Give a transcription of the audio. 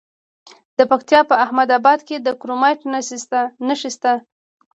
د پکتیا په احمد اباد کې د کرومایټ نښې شته.